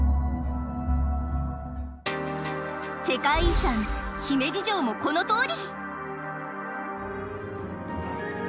世界遺産姫路城もこのとおり！